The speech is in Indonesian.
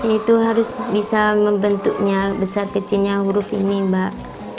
itu harus bisa membentuknya besar kecilnya huruf ini mbak